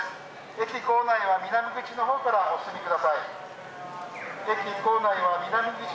駅構内は南口のほうからお進みください。